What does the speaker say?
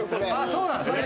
そうなんすね。